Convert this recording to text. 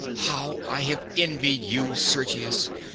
How I have envied you, Sergius!